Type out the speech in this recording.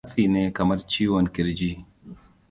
matsi ne kamar ciwon kirji